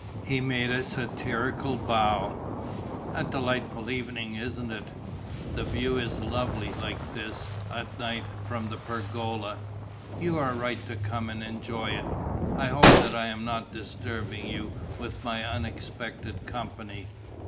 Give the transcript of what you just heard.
He made a satirical bow: "A delightful evening, isn't it? The view is lovely, like this, at night, from the pergola. You are right to come and enjoy it. I hope that I am not disturbing you with my unexpected company?"